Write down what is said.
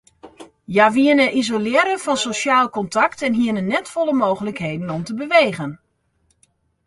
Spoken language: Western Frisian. Hja wiene isolearre fan sosjaal kontakt en hiene net folle mooglikheden om te bewegen.